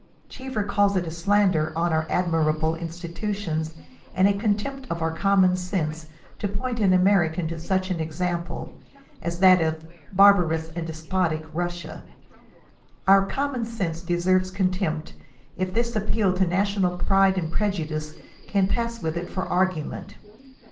Cheever calls it a slander on our admirable institutions, and a contempt of our common sense, to point an American to such an example" as that of " barbarous and despotic" Russia. •' Our common sense" d serves coiitempt, if this appeal to national pride and prejudice can pass with it for argument.